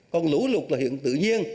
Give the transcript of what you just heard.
còn lũ lụt là hiện tự nhiên